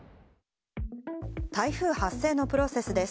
台風発生のプロセスです。